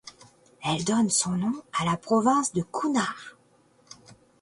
Elle donne son nom à la province de Kounar.